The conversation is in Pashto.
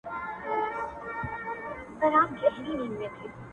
o بنده و خپل عمل٫